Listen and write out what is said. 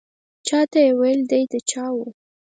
چا ته یې وې دی د چا و.